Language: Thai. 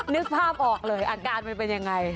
นึกภาพออกเลยอาการมันเป็นยังไง